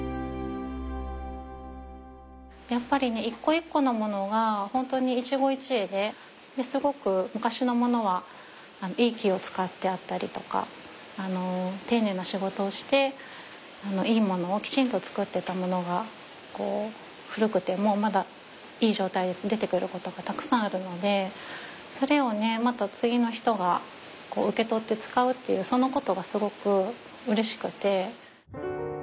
やっぱり一個一個のものが本当に一期一会ですごく昔のものはいい木を使ってあったりとか丁寧な仕事をしていいものをきちんと作ってたものが古くてもまだいい状態で出てくることがたくさんあるのでそれをまた次の人が受け取って使うっていうそのことがすごくうれしくて。